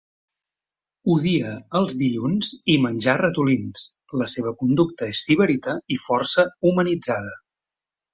Odia els dilluns i menjar ratolins, la seva conducta és sibarita i força humanitzada.